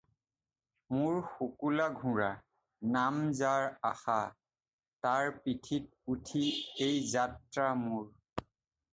মোৰ শুকুলা ঘোঁৰা; নাম যাৰ আশা; তাৰ পিঠিত উঠি এই যাত্ৰা মোৰ।